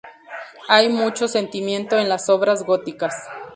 Hay mucho sentimiento en las obras góticas.